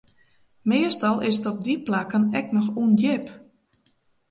Meastal is it op dy plakken ek noch ûndjip.